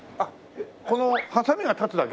このハサミが立つだけ？